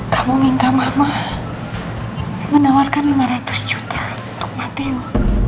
kamu minta mama menawarkan lima ratus juta untuk matteo